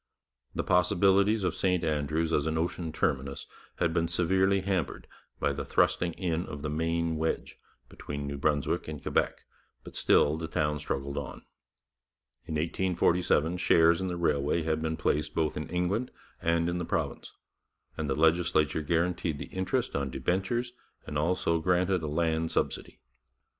The possibilities of St Andrews as an ocean terminus had been severely hampered by the thrusting in of the Maine wedge between New Brunswick and Quebec, but still the town struggled on. In 1847 shares in the railway had been placed both in England and in the province, and the legislature guaranteed the interest on debentures and also granted a land subsidy.